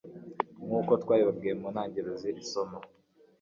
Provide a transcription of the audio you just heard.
Nkuko twabibabwiye mu ntangiriro z'iri somo